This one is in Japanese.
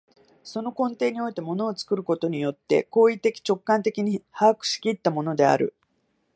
その根底において物を作ることによって行為的直観的に把握し来ったものである。